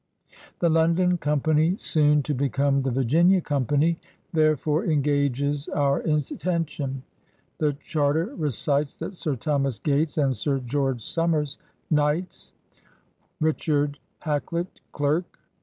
The London Company, soon to become the Virginia Company, therefore engages our atten tion. The charter recites that Sir Thomas Gates and Sir George Somers, Knights, Richard Hak luyt, derk.